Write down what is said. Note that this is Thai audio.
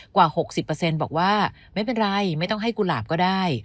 กว่า๖๐บอกว่าไม่เป็นไรไม่ต้องให้กุหลาบก็ได้